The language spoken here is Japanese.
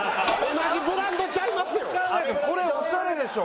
同じブランドちゃいますよ！